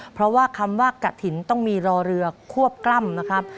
เพราะว่าคำว่ากะถิ่นต้องมีรอเรือควบกล้ำนะครับ